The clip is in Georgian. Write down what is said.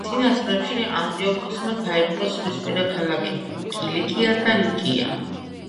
წინა წლებში ანტიოქოსმა დაიპყრო ზღვისპირა ქალაქები კილიკია და ლიკია.